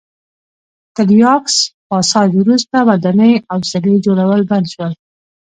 تر یاکس پاساج وروسته ودانۍ او څلي جوړول بند شول.